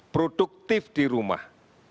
produktif di rumah